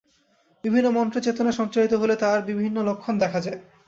বিভিন্ন মন্ত্রে চেতনা সঞ্চারিত হলে তার বিভিন্ন লক্ষণ দেখা যায়।